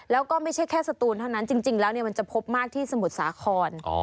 แล้วก็ไม่ใช่แค่สตูนเท่านั้นจริงแล้วมันจะพบมากที่สมุทรสาคร